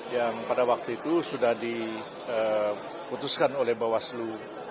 yang pada waktu itu sudah diputuskan oleh bawaslu